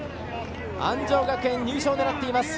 安城学園、入賞を狙っています。